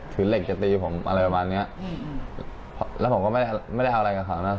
ถือเหล็กจะตีผมอะไรประมาณเนี้ยแล้วผมก็ไม่ได้เอาอะไรกับเขานะ